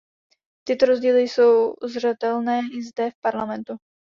Tyto rozdíly jsou zřetelné i zde v Parlamentu.